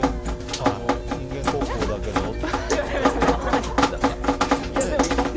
人間国宝だけどって。